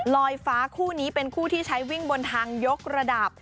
ลอยฟ้าคู่นี้เป็นคู่ที่ใช้วิ่งบนทางยกระดับ